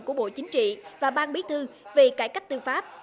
của bộ chính trị và ban bí thư về cải cách tư pháp